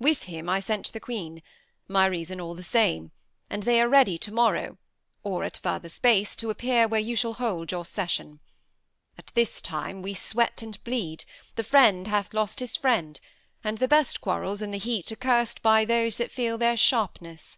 With him I sent the Queen, My reason all the same; and they are ready To morrow, or at further space, t' appear Where you shall hold your session. At this time We sweat and bleed: the friend hath lost his friend; And the best quarrels, in the heat, are curs'd By those that feel their sharpness.